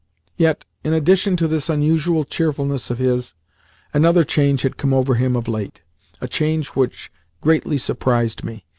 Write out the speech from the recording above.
Yet, in addition to this unusual cheerfulness of his, another change had come over him of late a change which greatly surprised me.